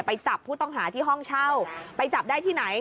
ไปจับผู้ต้องหาที่ห้องเช่าไปจับได้ที่ไหน